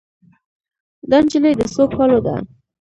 دا نجلۍ د څو کالو ده